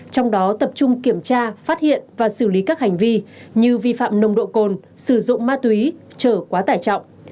trong đó tập trung kiểm tra phát hiện và xử lý các hành vi như vi phạm nồng độ cồn sử dụng ma túy trở quá tải trọng